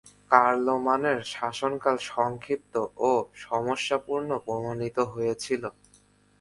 কার্লোমানের শাসনকাল সংক্ষিপ্ত ও সমস্যাপূর্ণ প্রমাণিত হয়েছিল।